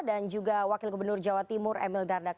dan juga wakil gubernur jawa timur emil dardak